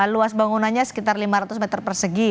luas bangunannya sekitar lima ratus meter persegi